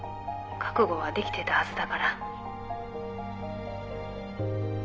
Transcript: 覚悟はできてたはずだから。